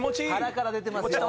腹から出てますよ。